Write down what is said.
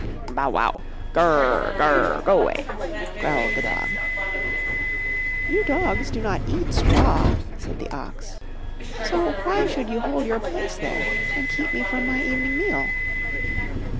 '*Bow wow! Gr r r, Gr r r! Go away!" growled the Dog. You dogs do not eat straw," said the Ox. ''So why 157 MY BOOK HOUSE should you hold your place there and keep me from my evening meal?'